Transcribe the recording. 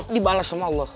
dibalas sama allah